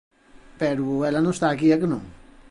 Pero ela non está aquí, a que non?